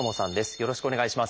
よろしくお願いします。